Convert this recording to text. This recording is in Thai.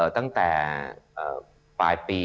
ตั้งแต่ปลายปี